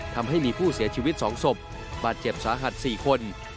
ทำให้มีผู้เสียชีวิต๒ศพบาดเจ็บสาหัส๔คน